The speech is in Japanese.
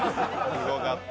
すごかった。